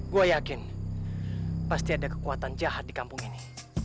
gue yakin pasti ada kekuatan jahat di kampung ini